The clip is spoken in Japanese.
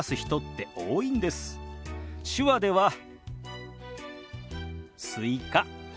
手話では「スイカ」。